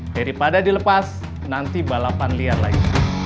daripada dilepas nanti balapan liar lagi